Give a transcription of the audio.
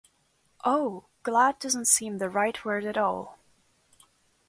Oh, glad doesn’t seem the right word at all.